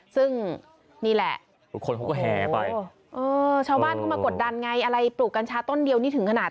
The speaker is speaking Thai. ซึ่งนี่แหละโอ้โฮชาวบ้านเข้ามากดดันไงอะไรปลุกกัญชาต้นเดียวนี่ถึงขนาด